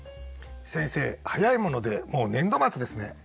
先生早いものでもう年度末ですね。